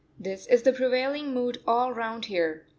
This is the prevailing mood all round here.